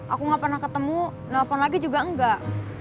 aku nggak pernah ketemu nelpon lagi juga enggak